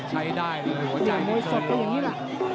ใช้ได้มอยสดอย่างงี้ละ